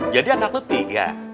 jadi anak lo tiga